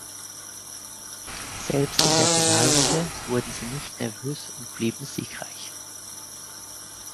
Selbst in der Finalrunde wurden sie nicht nervös und blieben siegreich.